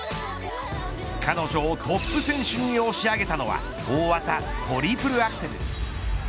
彼女をトップ選手に押し上げたのは大技、トリプルアクセル。